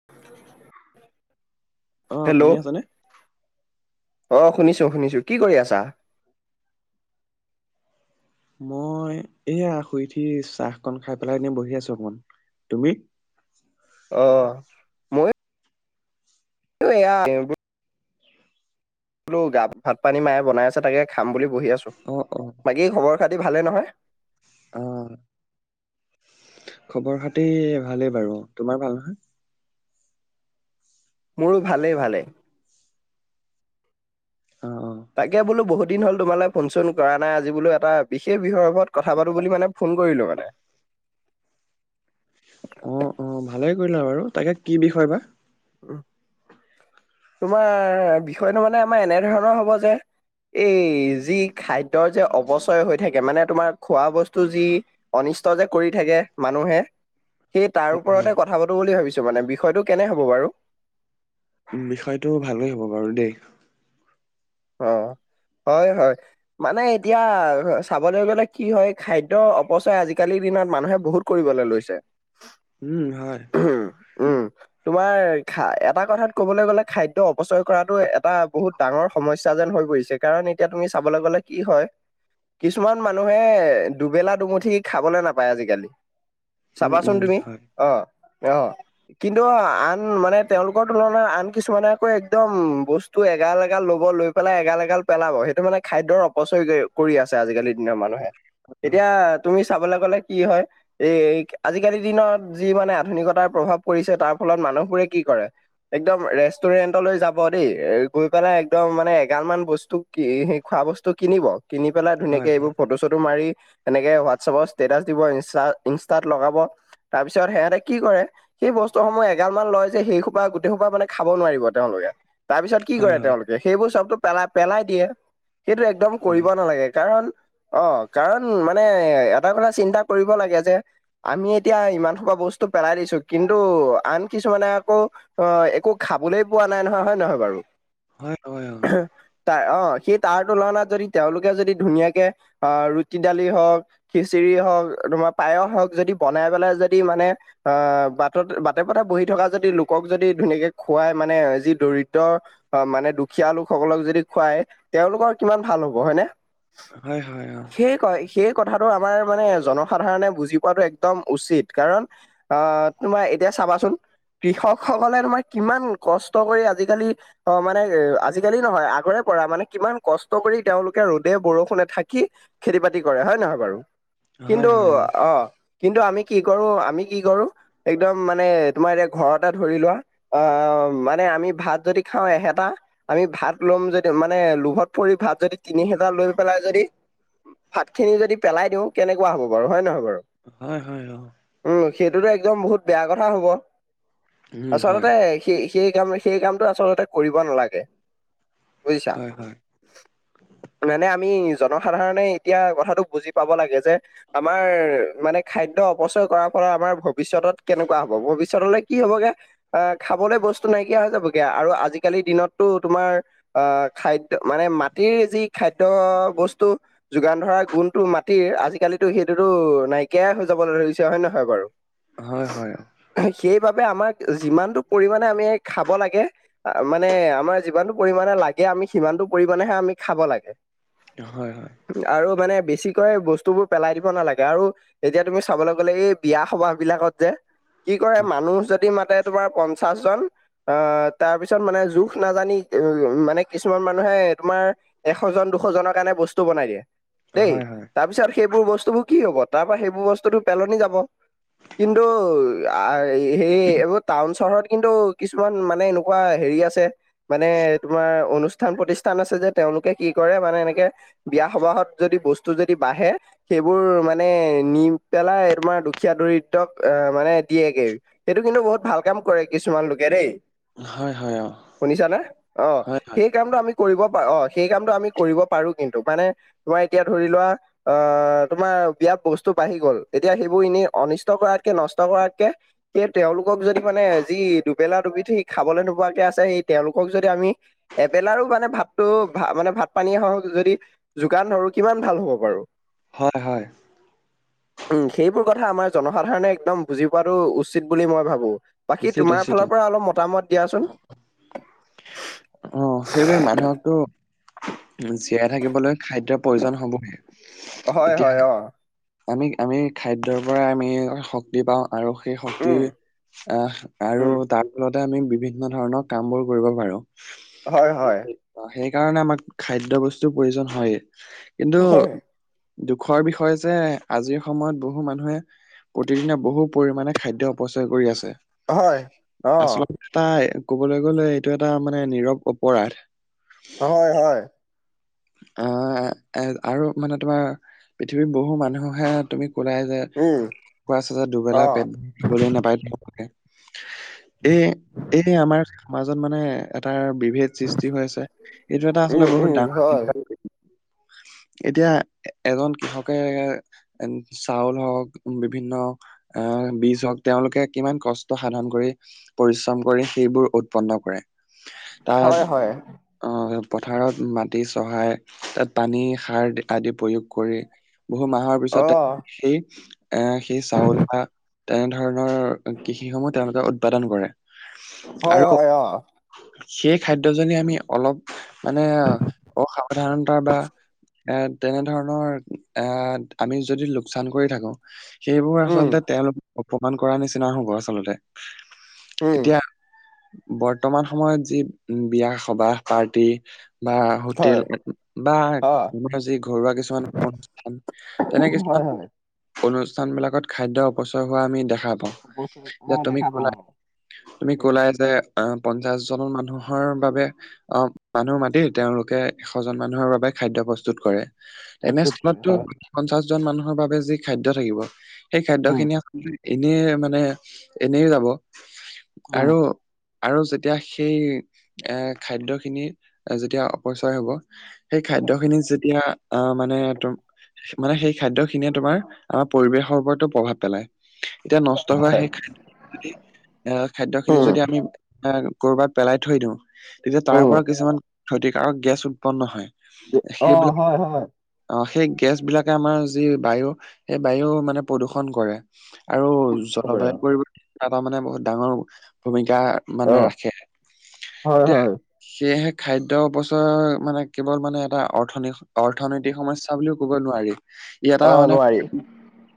[unintelligible] অ hello শুনি আছা নে? অ শুনিছো শুনিছো কি কৰি আছা মই এয়া শুই উঠি চাহ অকন খাই পেলাই এনে বহি আছো অকন, তুমি? অ মইয়ো [unintelligible] বলো গা ভাত পানী মায়ে বনাই আছে তাকে খাম বুলি বহি আছো, অ অ বাকী খবৰ খাতি ভালে নহয়? অ খবৰ খাতি ভালেই বাৰু তোমাৰ ভাল নহয়? মোৰো ভালেই ভালেই, অ অ তাকে বোলো বহুত দিন হ'ল তোমালে ফোন চোন কৰা নাই আজি বোলো এটা বিশেষ বিষয় ওপৰত কথা পাতো বুলি মানে, ফোন কৰিলোঁ মানে অ অ ভালেই কৰিলা বাৰু তাকে কি বিষয় বা উম তোমাৰ বিষয়টো মানে আমাৰ এনে ধৰণৰ হব যে এই যি খাদ্যৰ যে অপচয় হৈ থাকে মানে তোমাৰ খোৱা বস্তু যি অনিষ্ট যে কৰি থাকে মানুহে সেই তাৰ হয় হয় ওপৰতে কথা পাতো বুলি ভাবিছো মানে বিষয়টো কেনে হ'ব বাৰু বিষয়টো ভালেই হ'ব বাৰু দেই অ হয় হয় মানে এতিয়া চাবলৈ গ'লে কি হয় খাদ্য অপচয় আজি কালিৰ দিনত মানুহে বহুত কৰিবলে লৈছে। উম হয়, উ উম তোমাৰ খা এটা কথাত ক'বলৈ গ'লে খাদ্য অপচয় কৰাটো এটা বহুত ডাঙৰ, সমস্যা যেন হৈ পৰিছে কাৰণ এতিয়া তুমি চাবলৈ গলে কি হয়, কিছুমান মানুহে দুবেলা দুমুঠি খাবলৈ নাপায় আজিকালি, উম চাবাচোন উম তুমি হয় অ অ, কিন্তু আন মানে তেওঁলোকৰ তুলনাত আন কিছুমানে আক একদম বস্তু এগাল এগাল লব, ব লৈ পেলাই এগাল এগাল পেলাব সেইটো মানে খাদ্যৰ অপচয় গৈ কৰি আছে আজিকালি, দিনৰ মানুহে এতিয়া তুমি চাবলৈ গ'লে কি হয়, এই আজিকালিৰ দিনত যি মানে আধুনিকতাৰ প্ৰভাৱ পৰিছে তাৰ ফলত মানুহবোৰে কি কৰে, একদম ৰেষ্টুৰেণ্টলৈ যাব দেই গৈ পেলাই, একদম মানে এগাল মান বস্তু কি সি খোৱা বস্তু কিনিব, কিনি পেলাই ধুনীয়াকে হয় হয় এইবোৰ ফটো চটো মাৰি, সেনেকে হোৱাটছআপৰ ষ্টেটাচ দিব ইন ইনষ্টাত লগাব তাৰপিছত সিহঁতে কি কৰে, সেই বস্তুসমূহ এগাল মান লয় যে সেই সোপা গোটেই সোপা মানে খাব নোৱাৰিব তেওঁলোকে, তাৰপিছত কি হয় হয় কৰে তেওঁলোকে সেইবোৰ চবটো পেলাই পেলাই দিয়ে সেইটো এ, দম কৰিব হয়। নালাগে কাৰণ, অ কাৰণ মানে এটা কথা চিন্তা কৰিব লাগে যে, আমি এতিয়া ইমান খোপা বস্তু পেলাই দিছো কিন্তু আন কিছুমানে আকৌ, অ একো খাবলৈ পোৱা নাই নহয় হয় নে নহয় বাৰু, হয় হয় অ, ত অ সেই তাৰ তুলনাত যদি তেওঁলোকে যদি ধুনীয়াকে অ ৰুটি দালি হওক, খিচিৰি হওক তোমাৰ পায়স হওক যদি বনাই পেলাই যদি মানে, আহ বাটত বাটে পথে বহি থকা যদি লোকক যদি ধুনীয়াকে খুৱাই মানে যি দৰিদ্ৰ, অ মানে দুখীয়া লোকসকলক যদি খুৱাই তেওঁলোকৰ কিমান ভাল হ'ব হয়নে, হয় হয় অ সেই কয়, সেই কথাটো আমাৰ মানে জনসাধাৰণে বুজি পোৱাটো একদম উচিত কাৰণ। অ তোমাৰ এতিয়া চাবাচোন। কৃষক সকলে তোমাৰ কিমান কষ্ট কৰি আজিকালি। অ মানে আজিকালি নহয় আগৰে পৰা মানে কিমান কষ্ট কৰি তেওঁলোকে ৰ'দে বৰষুণে থাকি। খেতি বাতি কৰে হয় নহয় বাৰু হয় কিন্তু হয় অ, কিন্তু আমি কি কৰো আমি কি কৰো। একদম মানে তোমাৰ এতিয়া ঘৰতে ধৰি লোৱা অ মানে আমি ভাত যদি। খাওঁ এহেতা। আমি ভাত লম যদি মানে লোহত পৰি ভাত যদি তিনি হেতা লৈ পেলাই যদি। ভাত খিনি যদি পেলাই দিওঁ কেনেকুৱা হ'ব বাৰু হয় নহয় বাৰু হয়, হয়, অ, উম, সেইটোতো একদম বহুত বেয়া কথা হ'ব উম হয় আচলতে সেই সেই কাম সেই কামটো আচলতে কৰিব নালাগে বুজিছা। হয় হয় মানে আমি জনসাধাৰণে এতিয়া কথাটো বুজি পাব লাগে যে আমাৰ মানে খাদ্য অপচয় কৰাৰ ফলত আমাৰ ভৱিষ্যত কেনেকুৱা হ'ব ভৱিষ্যতলে কি হবগে, আহ খাবলৈ বস্তু নাইকিয়া হৈ যাবগে আৰু আজিকালিৰ দিনতো তোমাৰ। আহ খাদ্য মানে মাটিৰ যি খাদ্য বস্তু, যোগান ধৰা গুণটো মাটিৰ আজিকালিতো সেইটোতো নাইকিয়াই হৈ যাবলৈ ধৰিছে হয় নে নহয় বাৰু, হয় হয়। সেইবাবে আমাক যিমানটো পৰিমাণে আমি খাব লাগে। মানে আমাৰ যিমানটো পৰিমানে লাগে আমি সিমানতটো পৰিমানেহে আমি খাব লাগে। হয় হয়। আৰু মানে বেছিকৈ বস্তুবোৰ পেলাই দিব নালাগে আৰু এতিয়া তুমি চাবলৈ গ'লে এই বিয়া সবাহ বিলাকত যে কি কৰে মানুহ যদি মাতে তোমাৰ পঞ্চাশ জন আহ তাৰপিছত মানে জোখ নাজানি উম মানে কিছুমান মানুহে তোমাৰ এশ জন দুশজনৰ কাৰণে বস্তু বনাই দিয়ে হয় দেই হয় হয় তাৰপিছত সেইবোৰ বস্তুবোৰ কি হ'ব তাৰ পৰা সেইবোৰ বস্তুটোটো পেলনি যাব। কিন্তু সেই এইবোৰ টাউন চহৰত কিন্তু কিছুমান মানে এনে এনেকুৱা হেৰি আছে মানে তোমাৰ অনুষ্ঠান, প্ৰতিষ্ঠান আছে যে তেওঁলোকে কি কৰে মানে এনেকে বিয়া সবাহত যদি বস্তু যদি বাঢ়ে, সেইবোৰ মানে নি পেলাই তোমাৰ দুখীয়া দৰিদ্ৰক আহ মানে দিয়েগেই। সেইটো কিন্তু বহুত ভাল কাম কৰে কিছুমান লোকে দেই। হয় হয় অ', শুনিছানে অ হয়, হয়। সেই কামটো আমি কৰিব পাৰো অ সেই কামটো আমি কৰিব পাৰো কিন্তু মানে, তোমাৰ এতিয়া ধৰি লোৱা। আহ, তোমাৰ বিয়া বস্তু বাঢ়ি গল এতিয়া সেইবোৰ এনেই অনিষ্ট কৰাতকে নষ্ট কৰাতকে, সেই তেওঁলোক যদি মানে যি দুবেলা দুবিধ সি খাবলৈ ন ৱাকে আছে সেই তেওঁলোক যদি আমি এবেলাৰো মানে ভাতটো ভা মানে ভাত পানীয়ে হওঁক যদি। যোগান ধৰো কিমান ভাল হ'ব বাৰু হয় হয়। [inaudible] উম, সেইবোৰ কথা আমাৰ জনসাধাৰণে একদম বুজি পোৱাটো উচিত বুলি মই ভাবো। বাকী উচিত, তোমাৰ উচিত অ'। ফালৰ পৰা অলপ মতামত দিয়াচোন। অহ, সেইলৈ মানুহকতো জীয়াই থাকিবলৈ খাদ্যৰ প্ৰয়োজন হ'বই। হয় এতিয়া হয় অ, আমি আমি খাদ্যৰ পৰা আমি শক্তি পাওঁ। আৰু সেই শক্তি উম, আহ আৰু উম। তাৰ ফলতে আমি বিভিন্ন ধৰণৰ কাম বোৰ। কৰিব পাৰো। হয় হয়। সেইকাৰণে আমাক খাদ্য বস্তুৰ প্ৰয়োজন হয়ে কিন্তু হয়। দুখৰ বিষয় যে আজিৰ সময়ত বহু মানুহে প্ৰতিদিনে বহু পৰিমাণে খাদ্য অপচয় কৰি আছে। হয় অ। তাই ক'বলৈ গ'লে এইটো এটা মানে নীৰৱ অপৰাধ। হয় হয়। অ এ আৰু মানে তোমাৰ পৃথিৱীৰ বহু মানুহে তুমি কোলাই যে, উম অ [unintelligible] এ এই আমাৰ সমাজত মানে এটাৰ বিভেদ সৃষ্টি হৈ আছে এইটো এটা আচলতে উম বহুত উম ডাঙৰ হয় [unintelligible] এতিয়া এজন কৃষকে চাউল হওক বিভিন্ন, আহ, বীজ হওক তেওঁলোকে কিমান কষ্ট সাধন কৰি। পৰিশ্ৰম কৰি সেইবোৰ উৎপন্ন কৰে। হয় তাত হয় অ পথাৰত মা তি চহাই তাত পানী সাৰ আদি প্ৰয়োগ কৰি। বহু মাহৰ অ পিছত সেই অ'সেই চাউলা আ তেনেধৰণৰ কৃষি সমূহ তেওঁলোকে উৎপাদন কৰে হয় আৰু হয় অ সেই খাদ্য জৈন আমি অলপ মানে অসাৱধানতা বা এ তেনেধৰণৰ এ আমি যদি লোকচান কৰি থাকো। সেইবোৰ উম আচলতে তেওঁলোক অপমান কৰা নিচিনা হ'ব আচলতে। উম এতিয়া বৰ, বৰ্তমান সময়ত যি উ বিয়া সবাহ পাৰ্টি বা, হোটেল হয় বা অ আমাৰ যি ঘৰুৱা কিছুমান। তেনে হয় কিছুমান। হয় অনুষ্ঠান বিলাকত খাদ্য অপচয় হোৱা আমি দেখা পাওঁ বস্তু অ এতি তুমি দেখা কলা। পাওঁ তুমি কলা যে আহ পঞ্চাশ জন মানুহৰ বাবে। অ মানুহ মাতি তেওঁলোকে এশজন মানুহৰ বাবে খাদ্য প্ৰস্তুত কৰে। প্ৰস্তুত কৰে তেনেস্থলতো হয় পঞ্চাশ জন মানুহৰ বাবে যি খাদ্য থাকিব সেই খাদ্য উম খিনি। এনে মানে এনেও যাব উম আৰু আৰু যেতিয়া সেই এ খাদ্য খিনি যেতিয়া অপচয় হব। সেই খাদ্য হয় খিনি যেতিয়া। অ মানে তম মানে সেই খাদ্য খিনিয়ে তোমাৰ আমাৰ পৰিৱেশৰ ওপৰতো প্ৰভাৱ পেলায়। এতিয়া নষ্ট হোৱা হয় সেই খাদ্য খিনি যদি এ খাদ্য খিনি উম যদি আমি এ ক'ৰবাত পেলাই থৈ দিওঁ তেতিয়া তাৰ উম পৰা কিছুমান ক্ষতিকাৰক গেছ উৎপন্ন হয়। অ সেইবিলাক। হয় হয় অ সেই গেছ বিলাকে আমাৰ যি বায়ু সেই বায়ু মানে প্ৰদূষন কৰে। আৰু কৰে জলবায়ু পৰিবৰ্তন কৰিবলৈ এটা মানে বহুত ডাঙৰ ভূমিকা। মানে অ ৰাখে। হয় এতিয়া হয় সেয়েহে খাদ্য অপচয় মানে কেৱল মানে এটা অৰ্থ অৰ্থনৈতিক সমস্যা বুলিও ক'ব নোৱাৰি। ই এটা অ মানে নোৱাৰি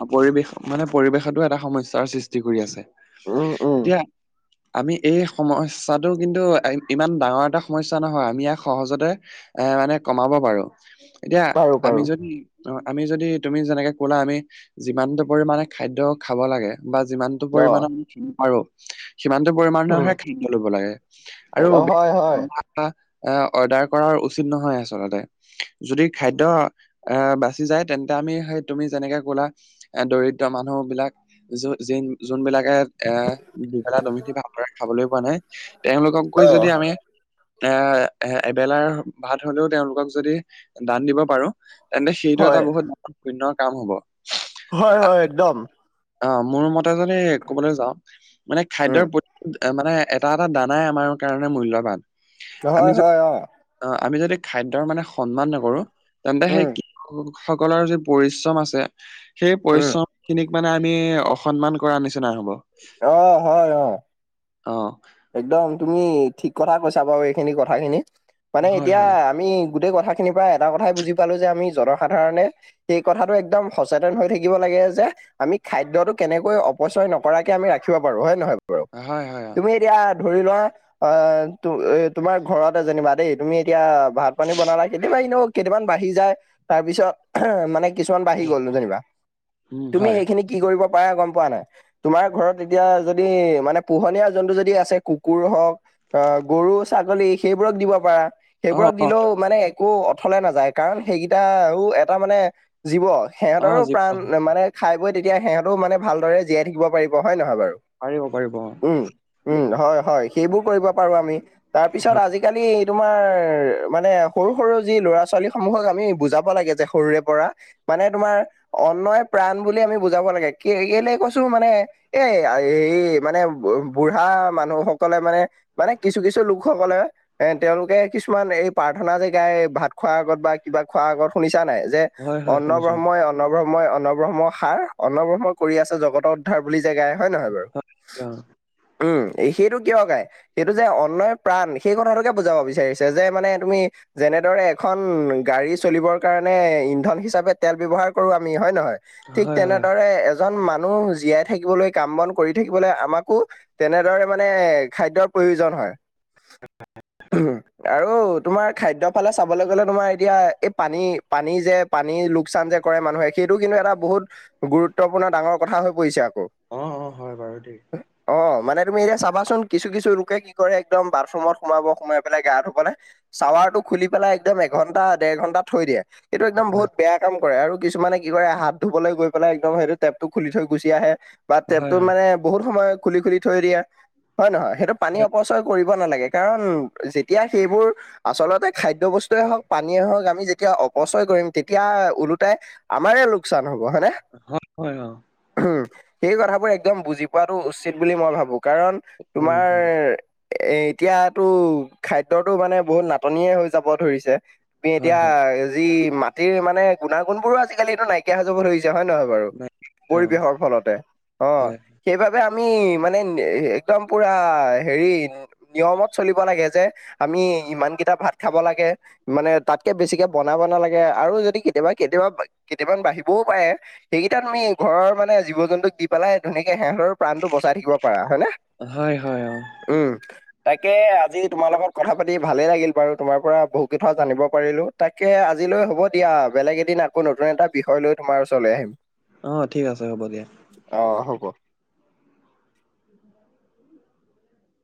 অ পৰিৱেশ মানে পৰিৱেশটো এটা সমস্যাৰ সৃষ্টি কৰি আছে। উম উম এতিয়া আমি এই সমস্যাটো কিন্তু এই ইমান ডাঙৰ এটা সমস্যা নহয় আমি ইয়াক সহজতে এ মানে কমাব পাৰোঁ। এতিয়া পাৰো আমি পাৰো যদি অ আমি যদি তুমি যেনেকে ক'লা আমি যিমানটো পৰিমানে খাদ্য খাব লাগে বা যিমান সিমানটো অ পৰিমানৰ আমি নোৱাৰোঁ। সিমানটো পৰিমান উম মানৰহে খাদ্য ল'ব লাগে। আৰু অ হয় হয় এ অৰ্ডাৰ কৰাৰ উচিত নহয় আচলতে যদি খাদ্য এহ বাচি যায় তেন্তে আমি সেই তুমি যেনেকে ক'লা এ দৰিদ্ৰ মানুহ বিলাক য যেন যোনবিলাক কে এ দুবেলা দুমিঠি ভালদৰে খাবলৈ পোৱা নাই তেওঁলোকক গৈ অ যদি আমি এ এ এবেলাৰ ভাত হ'লেও তেওঁলোকক যদি দান দিব পাৰোঁ। তেন্তে সেইটো এটা হয় বহুত পুণ্যৰ কাম হ'ব। হয় হয় একদম। অ মোৰ মতে যদি ক'বলৈ যাওঁ মানে উম খাদ্যৰ প এ মানে এটা এটা দানাই আমাৰ কাৰণে মূল্যৱান। হয় হয় অঁ। অঁ আমি যদি খাদ্যৰ মানে সন্মান নকৰোঁ তেন্তে সেই উম কৃ কৃষক সকলৰ যি পৰিশ্ৰম আছে সেই উম পৰিশ্ৰম খিনিক মানে আমি অসন্মান কৰা নিচিনা হ'ব। অঁ হয় অঁ। অহ। একদম তুমি ঠিক কথা কৈছা বাৰু এইখিনি কথা খিনি মানে হয় এতিয়া হয় আমি গোটেই কথা খিনিৰ পৰা এটা কথাই বুজি পালোঁ যে আমি জনসাধাৰণে সেই কথাটো একদম সচেতন হৈ থাকিব লাগে যে আমি খাদ্যটো কেনেকৈ অপচয় নকৰাকে আমি ৰাখিব পাৰোঁ। হয় নহয় বাৰু? হয় হয় অঁ। তুমি এতিয়া ধৰি লোৱা অ তো এ তোমাৰ ঘৰতে যেনিবা দেই তুমি এতিয়া ভাত পানী বনালা কেতিবা ইনেও কেইটামান বাঢ়ি যায় তাৰপিছত উমহ মানে কিছুমান বাঢ়ি গ'ল ন যেনিবা উম তুমি হয় সেইখিনি কি কৰিব পাৰে গম পোৱা নাই? তোমাৰ ঘৰত এতিয়া যদি মানে পোহনীয়া জন্তু যদি যদি আছে কুকুৰ হওঁক অহ গৰু ছাগলী সেইবোৰক দিব পাৰা। অ সেইবোৰক অ দিলেও মানে একো অথলে নাযায় কাৰণ সেইকেইটাও এটা মানে জীৱ অ সেহঁতৰো যি প্ৰাণ মানে খাই বৈ তেতিয়া সিহঁতেও মানে ভালদৰে জীয়াই থাকিব পাৰিব হয় নহয় বাৰু? পাৰিব পাৰিব অঁ। উম, উম, হয় হয় সেইবোৰ কৰিব পাৰোঁ আমি, তাৰ পিছত আজি আজিকালি তোমাৰ মানে সৰু সৰু যি ল'ৰা ছোৱালী সমূহক আমি বুজাব লাগে যে সৰুৰে পৰা মানে তোমাৰ অন্নয়ে প্ৰাণ বুলি আমি বুজাব লাগে কে কেলে কৈছোঁ মানে এ এই মানে বু বুঢ়া মানুহ সকলে মানে মানে কিছু কিছু লোকসকলে এ তেওঁলোকে কিছুমান এই প্ৰাৰ্থনা যে গাই ভাত খোৱাৰ আগত বা কিবা খোৱাৰ আগত শুনিছা নাই যে হয় হয় হয় শুনিছো অন্নব্ৰহ্মই অন্নব্ৰহ্মই অন্নব্ৰহ্ম সাৰ অন্নব্ৰহ্ম কৰি আছে জগত- পথাৰ বুলি জেগাই হয় নহয় বাৰু। হয় উম, সেইটো কিয় গাই? সেইটো যে অন্নয়ে প্ৰাণ সেই কথাটোকে বুজাব বিচাৰিছে। যে মানে তুমি যেনেদৰে এখন গাড়ী চলিবৰ কাৰণে ইন্ধন হিচাপে তেল ব্যৱহাৰ কৰো আমি হয় নহয়? অ ঠিক হয় হয় তেনেদৰে এজন মানুহ জীয়াই থাকিবলৈ কাম বন কৰি থাকিবলৈ আমাকো তেনেদৰে মানে খাদ্যৰ প্ৰয়োজন হয়। উ [inaudible] আৰু তোমাৰ খাদ্য ফালে চাবলৈ গ'লে তোমাৰ এতিয়া এই পানী পানী যে পানী লোকচান যে কৰে মানুহে সেইটো কিন্তু এটা বহুত গুৰুত্বপূৰ্ণ ডাঙৰ কথা হৈ পৰিছে আকৌ। অ অ হয় বাৰু দেই। [unintelligible] অ, মানে তুমি এতিয়া চাবাচোন কিছু কিছু লোকে কি কৰে একদম বাথৰুমত সোমাব সোমাই পেলাই গা ধুবলে চাৱাৰ টো খুলি পেলাই একদম এঘণ্টা দেৰ ঘণ্টা থৈ দিয়ে সেইটো একদম হয় বহুত বেয়া কাম কৰে আৰু কিছুমানে কি কৰে হাত ধুবলৈ গৈ পেলাই একদম সেইটো টেপটো খুলি থৈ গুচি আহে। বা হয় টেপতো হয় মানে বহুত সময় খুলি খুলি থৈ দিয়া হয় নহয়? সেইটো পানী হয় অপচ কৰিব নালাগে কাৰণ যেতিয়া সেইবোৰ আচলতে খাদ্য বস্তুৱে হওক পানীয়েই হওক আমি যেতিয়া অপচয় কৰিম তেতিয়া ওলোতাই আমাৰে লোকচান হ'ব হয়নে? হয় হয় অ। উম সেই কথাবোৰ একদম বুজি পোৱাটো উচিত বুলি মই ভাবো। কাৰণ উম তোমাৰ উম, এ এতিয়াতো খাদ্যতো মানে বহুত নাটনিয়ে হৈ যাব ধৰিছে। হয় এতিয়া হয় যি মাটিৰ মানে গুণাগুণ বোৰো আজিকালি এইটো নাইকিয়া হৈ যাব ধৰিছ- তিয়া হয় নহয় বাৰু নাই অ পৰিৱেশৰ ফলতে অ হয় সেইবাবে আমি মানে একদম পুৰা হেৰি নিয়মত চলিব লাগে যে আমি ইমান কেইটা ভাত খাব লাগে। মানে তাতকে বেছিকে বনাব নালাগে আৰু যদি কেতিয়াবা কেতিয়াবা কেতিয়াবা বাঢ়িবও পাৰে। সেইকেইটা তুমি ঘৰৰ মানে জীৱ জন্তুক দি পেলাই ধুনীয়াকে সেহঁৰ প্ৰাণটো বচাই থাকিব পাৰা হয় নে? হয় হয় অ। উম। তাকে আজি তোমাৰ লগত কথা পাতি ভালে লাগিল বাৰু তোমাৰ পৰা বহু কেইটাও জানিব পাৰিলো। তাকে আজিলৈ হ'ব দিয়া বেলেগ এদিন আকৌ নতুন এটা বিষয় লৈ তোমাৰ ওচৰলৈ আহিম। অ, ঠিক আছে হ'ব দিয়া। আহ হ'ব।